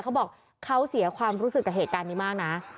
เขาบอกเขาเสียความรู้สึกกับเหตุการณ์นี้มากนะ